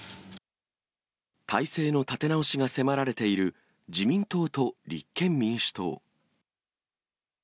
態勢の立て直しが迫られている自民党と立憲民主党。